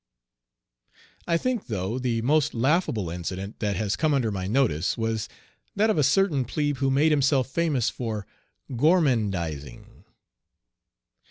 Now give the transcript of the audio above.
I think, though, the most laughable incident that has come under my notice was that of a certain plebe who made himself famous for gourmandizing.